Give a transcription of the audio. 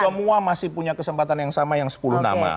semua masih punya kesempatan yang sama yang sepuluh nama